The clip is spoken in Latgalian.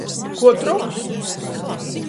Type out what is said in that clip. Kuo troks.